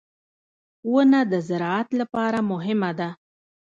• ونه د زراعت لپاره مهمه ده.